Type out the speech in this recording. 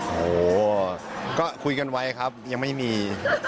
โอ้โหก็คุยกันไว้ครับยังไม่มี